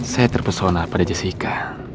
saya terpesona pada jessica